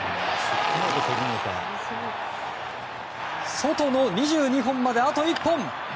ソトの２２本まであと１本。